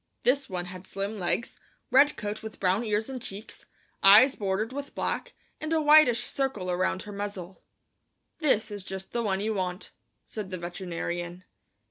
This one had slim legs, red coat with brown ears and cheeks, eyes bordered with black, and a whitish circle around her muzzle. "This is just the one you want," said the veterinarian.